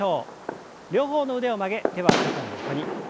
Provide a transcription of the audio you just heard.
両方の腕を曲げ手は肩の横に。